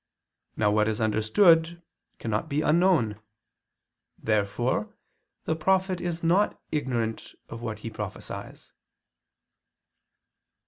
Now what is understood cannot be unknown. Therefore the prophet is not ignorant of what he prophesies.